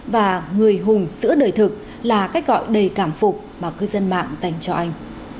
và người hùng giữa đời thực là cách gọi đầy cảm phục mà cư dân mạng dành cho anh